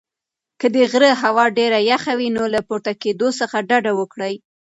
که د غره هوا ډېره یخه وي نو له پورته کېدو څخه ډډه وکړئ.